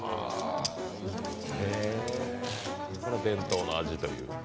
伝統の味という。